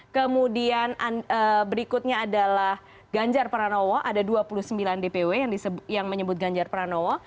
kemudian berikutnya adalah ganjar pranowo ada dua puluh sembilan dpw yang menyebut ganjar pranowo